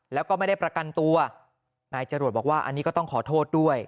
แล้วก็ไม่ได้ประกันตัวนายจรวดบอกว่าอันนี้ก็ต้องขอโทษด้วย